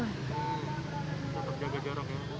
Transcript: tetap jaga jarak ya